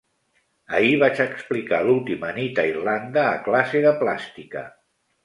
Ahir vaig explicar l'última nit a Irlanda a classe de plàstica.